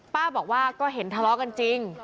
ป้าบอกว่าก็เห็นทะเลาะกันจริง